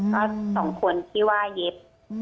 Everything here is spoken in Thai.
ก็สมควรคิดว่าเย็บ